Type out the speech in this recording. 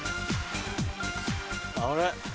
あれ？